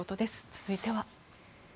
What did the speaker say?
続いては。